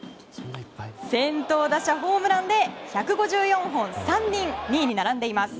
先頭打者ホームランで１５４本、３人２位に並んでいます。